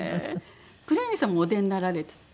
黒柳さんもお出になられて。